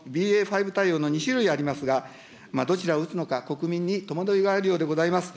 ５対応の２種類ありますが、どちらを打つのか、国民に戸惑いがあるようでございます。